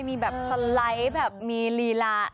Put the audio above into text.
มีแบบสไลด์แบบมีลีลา